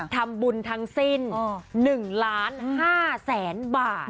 ทำบุญทั้งสิ้น๑ล้าน๕แสนบาท